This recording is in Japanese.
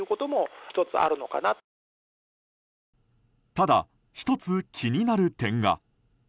ただ、１つ気になる点が。